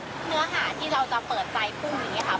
เนื้อหาที่เราจะเปิดใจพรุ่งนี้ครับ